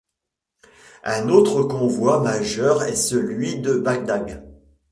Un autre convoi majeur est celui de Bagdad.